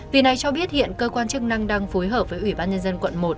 vì này cho biết hiện cơ quan chức năng đang phối hợp với ủy ban nhân dân quận một